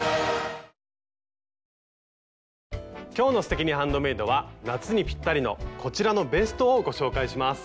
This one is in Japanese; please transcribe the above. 今日の「すてきにハンドメイド」は夏にぴったりのこちらのベストをご紹介します。